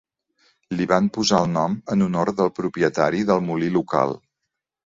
Li van posar el nom en honor del propietari del molí local.